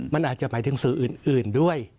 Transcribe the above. มันอาจจะหมายถึงสื่ออื่นด้วย